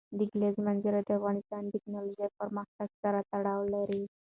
د کلیزو منظره د افغانستان د تکنالوژۍ پرمختګ سره تړاو لري.